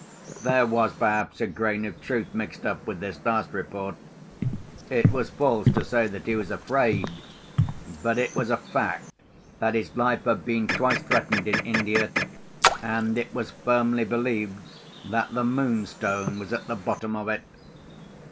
There was perhaps a grain of truth mixed up with this last report. It was false to say that he was afraid; but it was a fact that his life had been twice threatened in India; and it was firmly believed that the Moonstone was at the bottom of it.